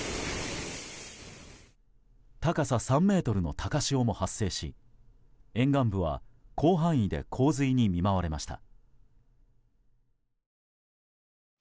高さ３ｍの高潮も発生し沿岸部は、広範囲で洪水に見舞われました。